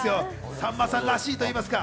さんまさんらしいといいますか。